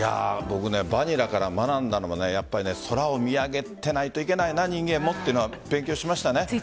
バニラから学んだのは空を見上げていないといけないな人間も、というのは勉強しましたね。